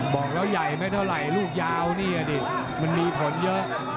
บอกแล้วใหญ่ไม่เท่าไหร่ลูกยาวนี่ดิมันมีผลเยอะ